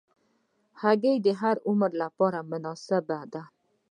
هګۍ د هر عمر لپاره مناسبه ده.